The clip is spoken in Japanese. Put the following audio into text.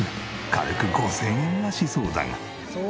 軽く５０００円はしそうだが。